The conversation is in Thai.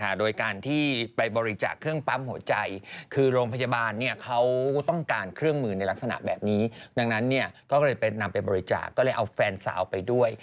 โดยการที่ไปบริจาคเครื่องปั๊มหัวใจคือโรงพยาบาลเนี่ยเขาต้องการเครื่องมือในลักษณะแบบนี้ดังนั้นเนี่ยก็เลยไปนำไปบริจาคก็เลยเอาแฟนสาวไปด้วย